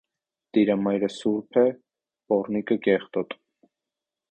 Տիրամայրը սուրբ է, պոռնիկը՝ կեղտոտ։